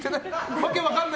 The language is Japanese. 訳分からない